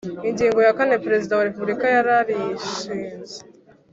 Ingingo ya kane Perezida wa Repubulika yararishinze